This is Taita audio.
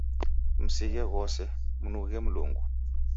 Msighe ghose, mnughe Mlungu.